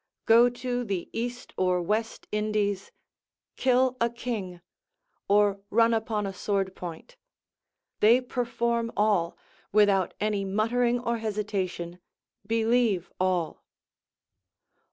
go to the East or West Indies, kill a king, or run upon a sword point: they perform all, without any muttering or hesitation, believe all.